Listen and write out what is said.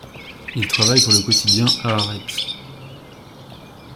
Il travaille pour le quotidien Haaretz.